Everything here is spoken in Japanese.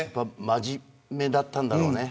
真面目だったんだろうね。